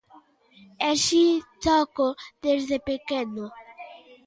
E si, toco desde pequeno.